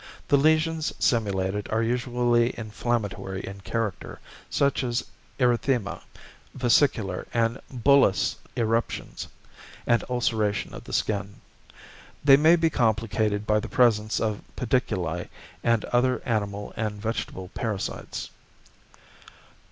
The lesions simulated are usually inflammatory in character, such as erythema, vesicular and bullous eruptions, and ulceration of the skin. They may be complicated by the presence of pediculi and other animal and vegetable parasites.